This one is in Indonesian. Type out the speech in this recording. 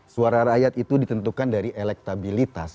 suara rakyat itu ditentukan dari elektabilitas